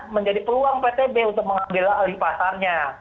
menjadi peluang ptb untuk mengambil alih pasarnya